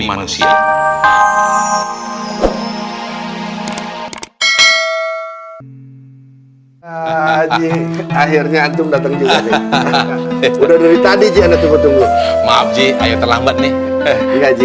manusia akhirnya dateng udah dari tadi jalan tunggu tunggu maaf jika terlambat nih ngaji